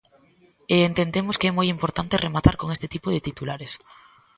E entendemos que é moi importante rematar con este tipo de titulares.